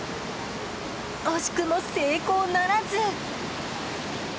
惜しくも成功ならず。